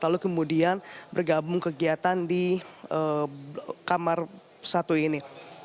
lalu kemudian bergabung kegiatan di kamar satu ini